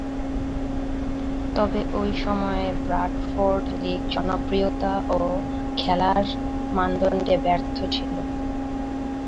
তবে, ঐ সময়ে ব্রাডফোর্ড লীগ জনপ্রিয়তা ও খেলার মানদণ্ডে ব্যর্থ ছিল।